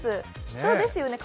人ですよね。